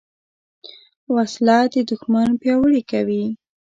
وسله د دوښمن پیاوړي کوي